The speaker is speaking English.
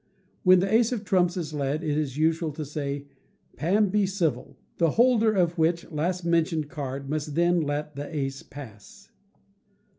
When the ace of trumps is led, it is usual to say, "Pam be civil;" the holder of which last mentioned card must then let the ace pass.